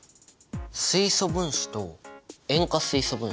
水素分子と塩化水素分子？